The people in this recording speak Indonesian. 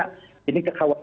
ini kekhawatiran yang berbeda